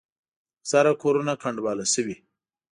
اکثره کورونه کنډواله شوي.